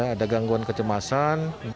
ada gangguan kecemasan